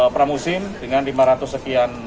pramusim dengan lima ratus sekian